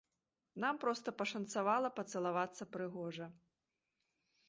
Нам проста пашанцавала пацалавацца прыгожа.